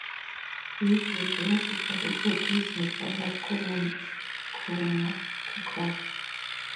These were then separated using standard column chromatography.